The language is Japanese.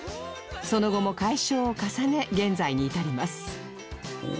その後も改称を重ね現在に至ります